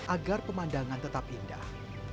agar pemandangan tetap indah